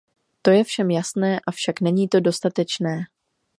To je všem jasné, avšak není to dostatečné.